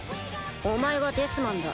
お前はデスマンだ。